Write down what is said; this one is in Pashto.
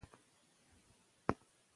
دوی د ښې راتلونکې په لور ګام اخلي.